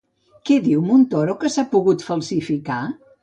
Què diu Montoro que s'ha pogut falsificar?